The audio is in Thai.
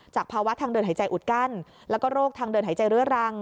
ภาวะทางเดินหายใจอุดกั้นแล้วก็โรคทางเดินหายใจเรื้อรัง